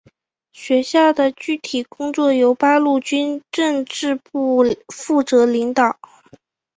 学校的具体工作由八路军政治部负责领导。